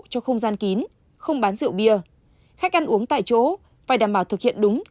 cho không gian kín không bán rượu bia khách ăn uống tại chỗ phải đảm bảo thực hiện đúng